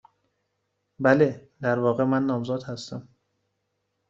بله. در واقع، من نامزد هستم.